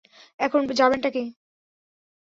এখন যাবেনটা কে?